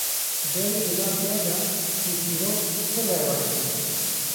Berê di nav gel de çîrçîrok pir bi rewac bû